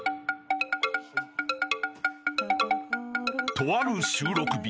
［とある収録日］